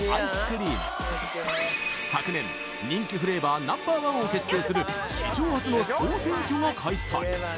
昨年人気フレーバーナンバーワンを決定する史上初の総選挙が開催